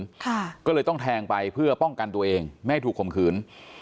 ค่ะก็เลยต้องแทงไปเพื่อป้องกันตัวเองไม่ให้ถูกข่มขืน